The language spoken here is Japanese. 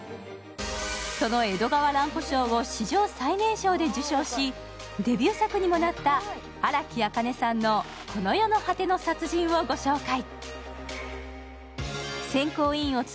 その江戸川乱歩賞を史上最年少で受賞しデビュー作にもなった荒木あかねさんの「此の世の果ての殺人」をご紹介。